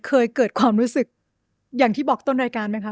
เคยเกิดความรู้สึกอย่างที่บอกต้นรายการไหมคะ